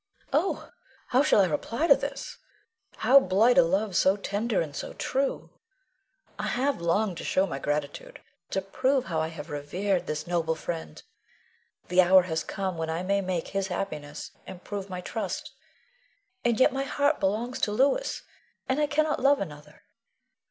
Oh, how shall I reply to this, how blight a love so tender and so true? I have longed to show my gratitude, to prove how I have revered this noble friend. The hour has come when I may make his happiness, and prove my trust. And yet my heart belongs to Louis, and I cannot love another.